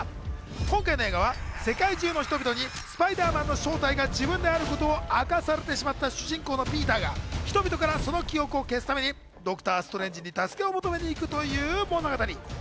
今回の映画は世界中の人々にスパイダーマンの正体が自分であることを明かされてしまった主人公のピーターが人々からその記憶を消すためにドクター・ストレンジに助けを求めに行くという物語。